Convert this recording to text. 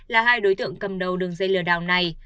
là hai đối tượng cầm đầu đường dây lừa đảo này